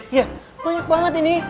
iya banyak banget ini